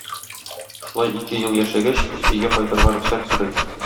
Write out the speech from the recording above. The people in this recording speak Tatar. Шулай ике ел яшәгәч, кыз өйгә кайтырга рөхсәт сорый.